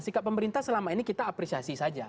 sikap pemerintah selama ini kita apresiasi saja